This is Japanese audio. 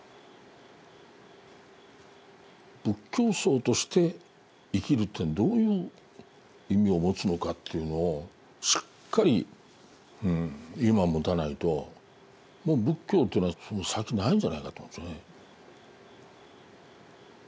仏教僧として生きるというのはどういう意味を持つのかというのをしっかり今持たないともう仏教というのは先ないんじゃないかと思うんですよね。